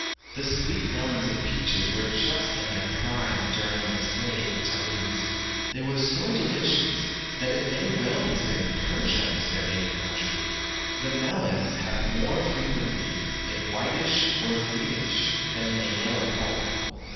The sweet melons and peaches were just in their prime during my stay at Tebris. They were so delicious, that it may well be said Persia is their native country. The melons have more frequently a whitish, or greenish, than a yellow pulp.